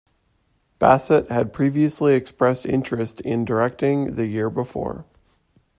Bassett had previously expressed interest in directing the year before.